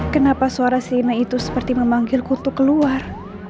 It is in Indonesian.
kenapa suara si rina itu seperti memanggilku untuk keluar